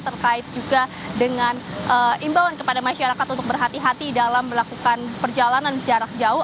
terkait juga dengan imbauan kepada masyarakat untuk berhati hati dalam melakukan perjalanan jarak jauh